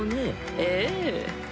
ええ。